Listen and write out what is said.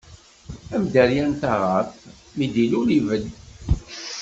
Am dderya n taɣaṭ, mi d-ilul, ibedd.